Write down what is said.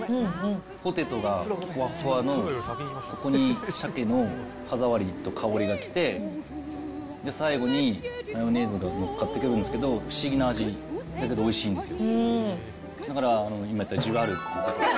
ポテトがふわふわの、そこにシャケの歯触りと香りがきて、最後に、マヨネーズがのっかってくるんですけど、不思議な味、だけどおいしいんですよ。